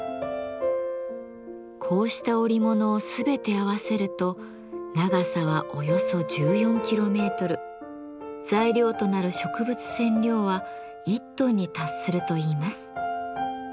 こうした織物を全て合わせると長さはおよそ１４キロメートル材料となる植物染料は１トンに達するといいます。